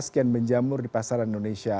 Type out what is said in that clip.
sekian menjamur di pasaran indonesia